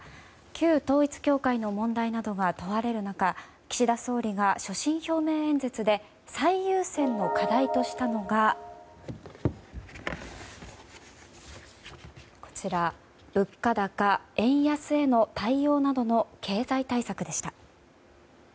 旧統一教会の問題などが問われる中岸田総理が所信表明演説で最優先の課題としたのが物価高・円安への対応などの経済対策でした。